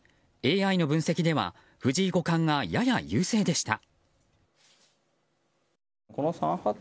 ＡＩの分析では藤井五冠がやや優勢でした。